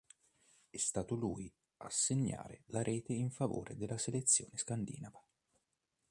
È stato lui a segnare la rete in favore della selezione scandinava.